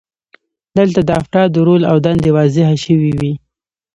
دلته د افرادو رول او دندې واضحې شوې وي.